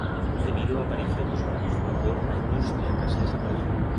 Debido á aparición dos barcos de vapor a industria case desapareceu.